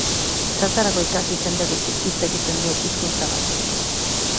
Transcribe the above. Zertarako ikasi jende gutxik hitz egiten duen hizkuntza bat?